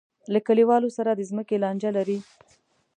له کلیوالو سره د ځمکې لانجه لري.